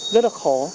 rất là khó